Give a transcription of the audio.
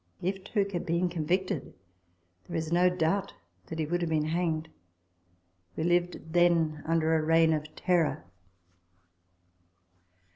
If Tooke had been convicted, there is no doubt that he would have been hanged. We lived then under a reign of terror.